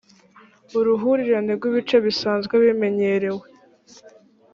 uruhurirane rw’ ibice bisanzwe bimenyerewe.